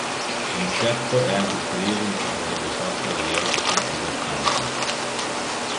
Incerto è anche il periodo in cui sarebbe sorta la diocesi di Costanza.